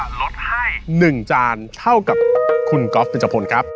ผมจะลดให้๑จานเท่ากับคุณกอฟติจับผมครับ